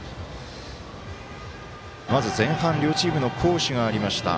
まず、前半、両チームの攻守がありました。